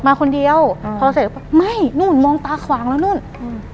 มาคนเดียวอืมพอเสร็จปุ๊บไม่นู่นมองตาขวางแล้วนู่นอืม